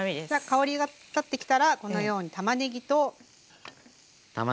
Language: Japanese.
香りが立ってきたらこのようにたまねぎと。